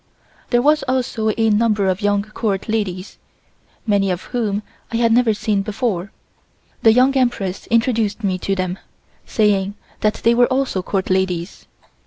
There was also a number of young Court ladies, many of whom I had never seen before. The Young Empress introduced me to them, saying that they were also Court ladies.